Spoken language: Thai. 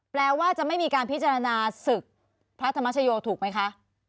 แปลว่าจะไม่มีการพิจารณาศึกพระธรรมชโยถูกไหมคะ